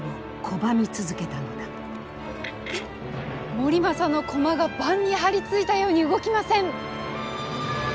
「盛政」の駒が盤に貼り付いたように動きません！